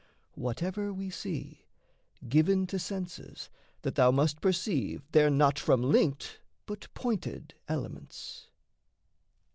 Whatever we see... Given to senses, that thou must perceive They're not from linked but pointed elements.